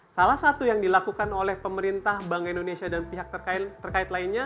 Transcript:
salah satu yang dilakukan oleh pemerintah bank indonesia dan pihak terkait lainnya